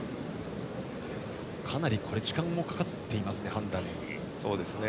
かなり時間もかかっています、判断に。